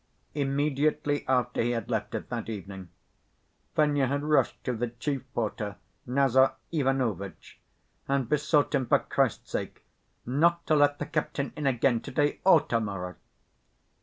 Immediately after he had left it that evening, Fenya had rushed to the chief porter, Nazar Ivanovitch, and besought him, for Christ's sake, "not to let the captain in again to‐day or to‐morrow."